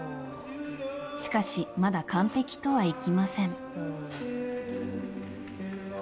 しかし、まだ完璧とはいきません。